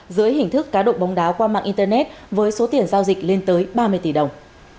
dưới hình thức cá độ bóng đá qua mạng internet với số tiền giao dịch lên tới ba mươi tỷ đồng